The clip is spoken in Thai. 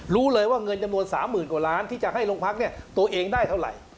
รู้เลยว่าเงินจำนวน๓๐๐๐กว่าล้านที่จะให้ลงพักเนี่ยตัวเองได้เท่าไหร่